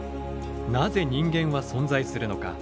なぜ人間は存在するのか？